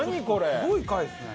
すごい回っすね。